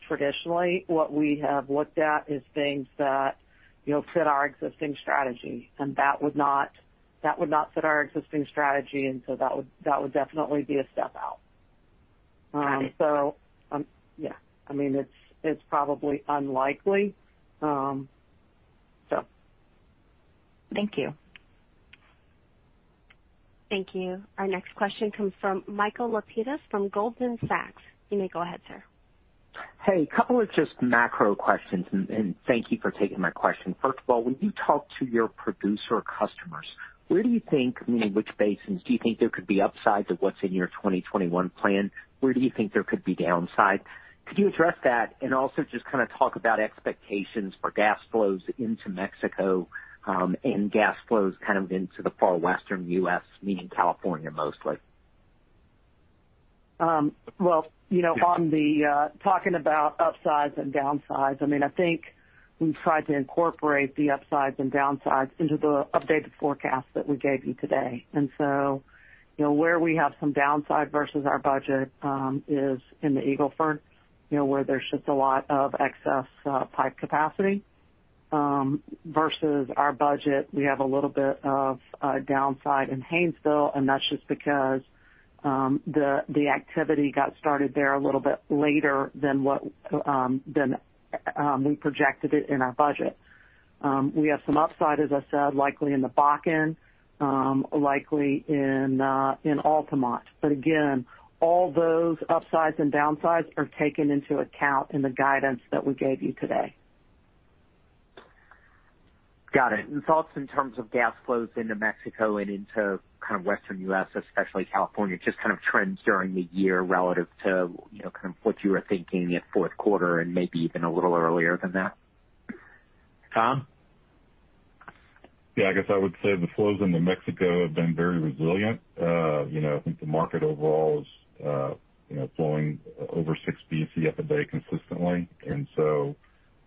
Traditionally, what we have looked at is things that fit our existing strategy, and that would not fit our existing strategy. That would definitely be a step out. Got it. Yeah, it's probably unlikely. Thank you. Thank you. Our next question comes from Michael Lapides from Goldman Sachs. You may go ahead, sir. Hey, couple of just macro questions, and thank you for taking my question. First of all, when you talk to your producer customers, where do you think, meaning which basins, do you think there could be upsides of what's in your 2021 plan? Where do you think there could be downsides? Could you address that? Also kind of talk about expectations for gas flows into Mexico, and gas flows into the far western U.S., meaning California mostly. Well, talking about upsides and downsides, I think we've tried to incorporate the upsides and downsides into the updated forecast that we gave you today. So, where we have some downside versus our budget is in the Eagle Ford, where there's just a lot of excess pipe capacity. Versus our budget, we have a little bit of a downside in Haynesville, and that's just because the activity got started there a little bit later than we projected it in our budget. We have some upside, as I said, likely in the Bakken, likely in Altamont. Again, all those upsides and downsides are taken into account in the guidance that we gave you today. Got it. Thoughts in terms of gas flows into Mexico and into western U.S., especially California, just trends during the year relative to what you were thinking at fourth quarter and maybe even a little earlier than that? Tom? Yeah, I guess I would say the flows into Mexico have been very resilient. I think the market overall is flowing over 6 Bcf a day consistently.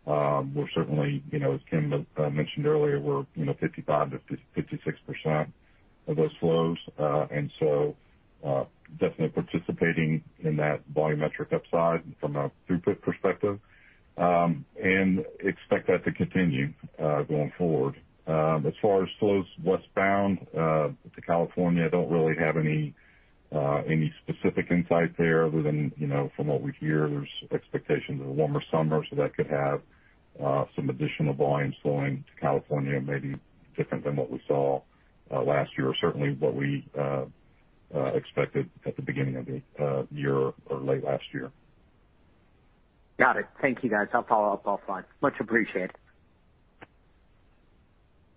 We're certainly, as Kim mentioned earlier, we're 55%-56% of those flows. Definitely participating in that volumetric upside from a throughput perspective, and expect that to continue going forward. As far as flows westbound to California, I don't really have any specific insight there other than from what we hear. There's expectations of a warmer summer, so that could have some additional volumes flowing to California, maybe different than what we saw last year, or certainly what we expected at the beginning of the year or late last year. Got it. Thank you, guys. I'll follow up offline. Much appreciated.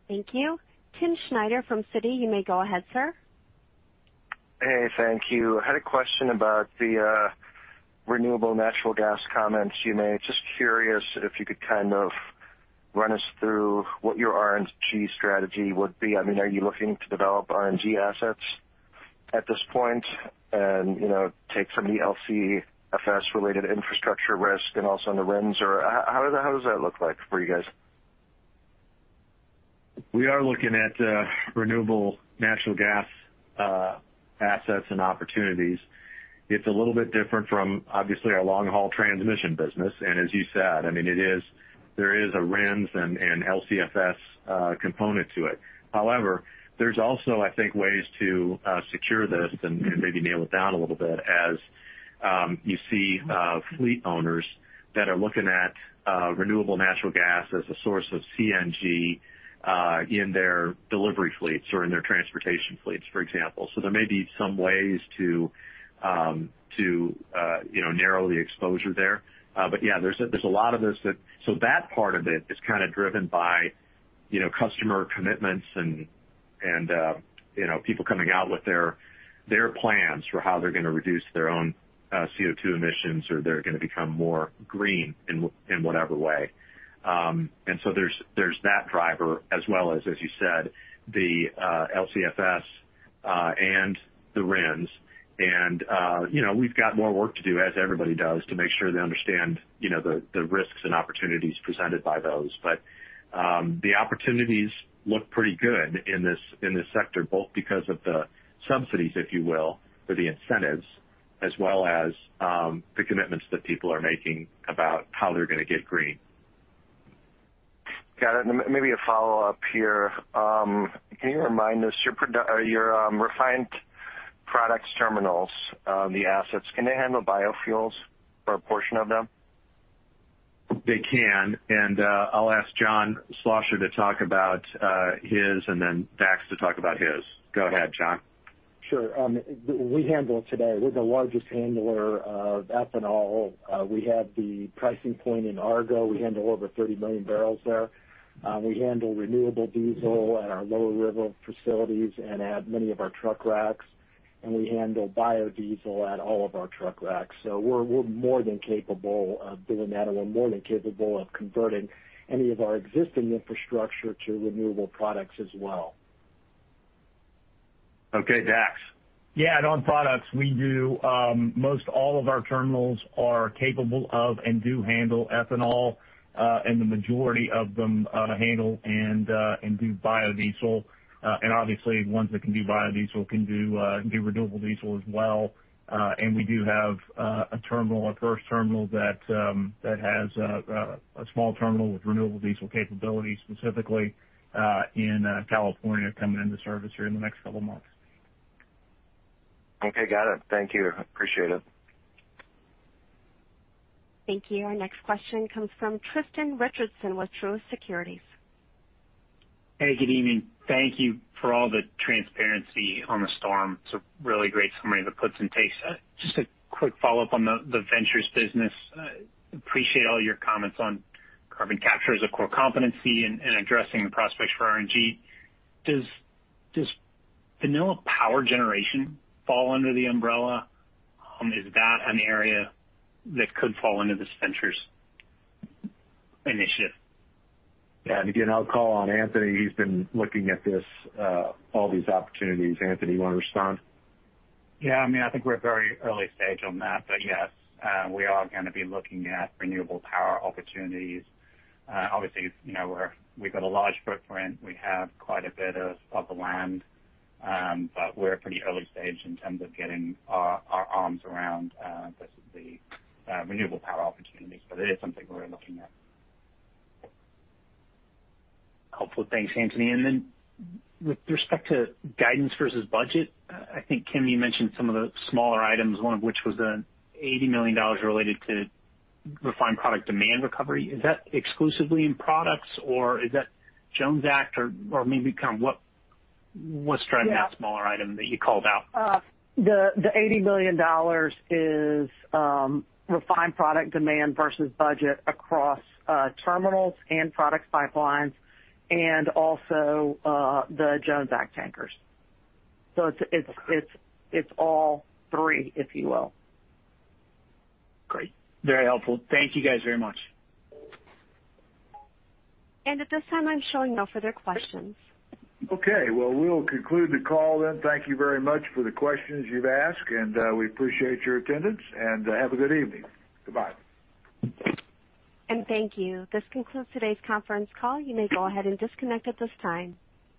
Thank you. Timm Schneider from Citi. You may go ahead, sir. Hey. Thank you. I had a question about the renewable natural gas comments you made. Just curious if you could kind of run us through what your RNG strategy would be. Are you looking to develop RNG assets at this point and take some LCFS related infrastructure risk and also on the RINS, or how does that look like for you guys? We are looking at renewable natural gas assets and opportunities. It's a little bit different from, obviously, our long-haul transmission business, and as you said, there is a RINS and LCFS component to it. There's also, I think, ways to secure this and maybe nail it down a little bit as you see fleet owners that are looking at renewable natural gas as a source of CNG in their delivery fleets or in their transportation fleets, for example. There may be some ways to narrow the exposure there. That part of it is kind of driven by customer commitments and people coming out with their plans for how they're going to reduce their own CO2 emissions, or they're going to become more green in whatever way. There's that driver as well as you said, the LCFS and the RINS. We've got more work to do, as everybody does, to make sure they understand the risks and opportunities presented by those. The opportunities look pretty good in this sector, both because of the subsidies, if you will, or the incentives, as well as the commitments that people are making about how they're going to get green. Got it. Maybe a follow-up here. Can you remind us, your refined products terminals, the assets, can they handle biofuels or a portion of them? They can, and I'll ask John Schlosser to talk about his and then Dax to talk about his. Go ahead, John. Sure. We handle it today. We're the largest handler of ethanol. We have the pricing point in Argo. We handle over 30 million barrels there. We handle renewable diesel at our Lower River facilities and at many of our truck racks, we handle biodiesel at all of our truck racks. We're more than capable of doing that, we're more than capable of converting any of our existing infrastructure to renewable products as well. Okay, Dax. Yeah, and on products, we do. Most all of our terminals are capable of and do handle ethanol, and the majority of them handle and do biodiesel. Obviously, ones that can do biodiesel can do renewable diesel as well. We do have a terminal, our first terminal that has a small terminal with renewable diesel capability, specifically in California, coming into service here in the next couple of months. Okay, got it. Thank you. Appreciate it. Thank you. Our next question comes from Tristan Richardson with Truist Securities. Hey, good evening. Thank you for all the transparency on the storm. It's a really great summary of the puts and takes. Just a quick follow-up on the Ventures business. Appreciate all your comments on carbon capture as a core competency and addressing the prospects for RNG. Does vanilla power generation fall under the umbrella? Is that an area that could fall into this Ventures initiative? Yeah. Again, I'll call on Anthony. He's been looking at all these opportunities. Anthony, you want to respond? Yeah. I think we're at a very early stage on that. Yes, we are going to be looking at renewable power opportunities. Obviously, we've got a large footprint. We have quite a bit of the land. We're pretty early stage in terms of getting our arms around the renewable power opportunities. It is something we're looking at. Helpful. Thanks, Anthony. With respect to guidance versus budget, I think Kim, you mentioned some of the smaller items, one of which was an $80 million related to refined product demand recovery. Is that exclusively in products, or is that Jones Act or maybe kind of what's driving that smaller item that you called out? The $80 million is refined product demand versus budget across terminals and product pipelines and also the Jones Act tankers. It's all three, if you will. Great. Very helpful. Thank you guys very much. At this time, I'm showing no further questions. Okay. Well, we'll conclude the call then. Thank you very much for the questions you've asked, and we appreciate your attendance, and have a good evening. Goodbye. Thank you. This concludes today's conference call. You may go ahead and disconnect at this time.